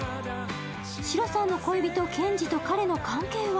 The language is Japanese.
シロさんの恋人ケンジと彼の関係は？